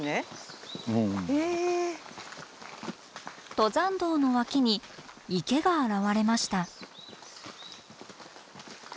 登山道の脇に池が現れました。